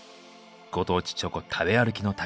ご当地チョコ食べ歩きの旅。